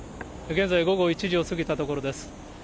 現在、午後１時を過ぎたところです。